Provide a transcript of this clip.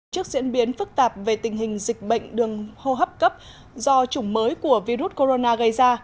trước diễn biến phức tạp về tình hình dịch bệnh đường hô hấp cấp do chủng mới của virus corona gây ra